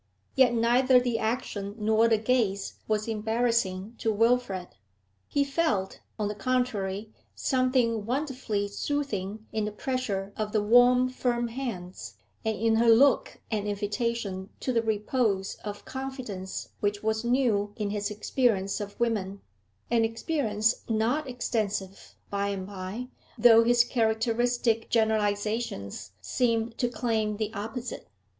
Yet neither the action nor the gaze was embarrassing to Wilfrid he felt, on the contrary, something wonderfully soothing in the pressure of the warm, firm hands, and in her look an invitation to the repose of confidence which was new in his experience of women an experience not extensive, by the bye, though his characteristic generalisations seemed to claim the opposite.